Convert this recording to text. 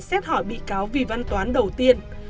xét hỏi bị cáo vì văn toán đầu tiên